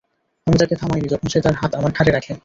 আমি তাকে থামাইনি যখন সে তার হাত আমার ঘাড়ে রাখে।